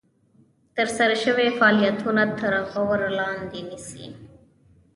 ترسره شوي فعالیتونه تر غور لاندې نیسي.